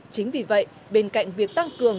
chính vì vậy bên cạnh việc tăng cường